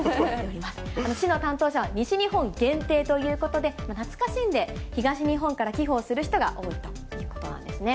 市の担当者は、西日本限定ということで、懐かしんで東日本から寄付をする人が多いということなんですね。